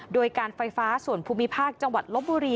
โดยการไฟฟ้าส่วนภูมิภาคจังหวัดลบบุรี